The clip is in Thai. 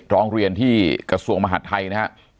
ร้องเรียนที่กระทรวงมหาดไทย